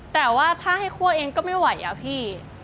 แต่ว่าถ้าให้คั่วเองก็ไม่ไหวอะพี่